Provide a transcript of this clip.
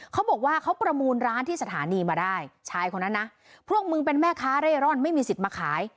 เขาบอกว่าเขาประมูลร้านที่สถานีมาได้ชายคนนั้นนะพวกมึงเป็นแม่ค้าเร่ร่อนไม่มีสิทธิ์มาขาย